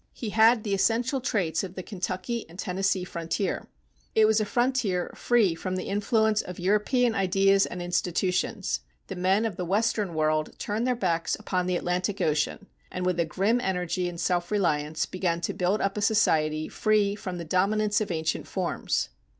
He had the essential traits of the Kentucky and Tennessee frontier. It was a frontier free from the influence of European ideas and institutions. The men of the "Western World" turned their backs upon the Atlantic Ocean, and with a grim energy and self reliance began to build up a society free from the dominance of ancient forms.